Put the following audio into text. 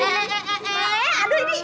eh aduh ini